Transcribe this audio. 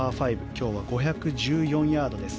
今日は５１４ヤードです。